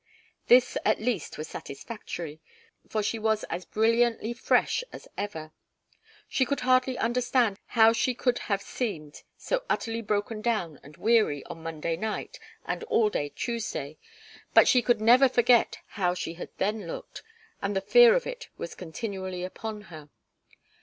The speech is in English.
This at least was satisfactory, for she was as brilliantly fresh as ever. She could hardly understand how she could have seemed so utterly broken down and weary on Monday night and all day on Tuesday, but she could never forget how she had then looked, and the fear of it was continually upon her.